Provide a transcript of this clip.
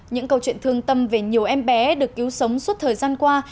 những câu chuyện thương tâm về nhiều em bé được cứu sống suốt thời gian qua